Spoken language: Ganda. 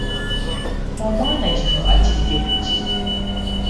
Omwana kino ekiggye ku ki?